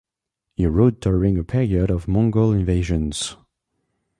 He wrote during a period of Mongol invasions.